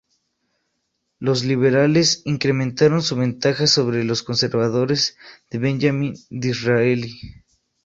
Los liberales incrementaron su ventaja sobre los conservadores de Benjamin Disraeli.